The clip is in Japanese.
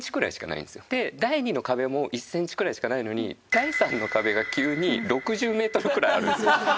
第２の壁も１センチくらいしかないのに第３の壁が急に６０メートルくらいあるんですよ。